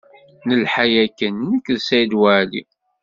Nelḥa akken nekk d Saɛid Waɛli.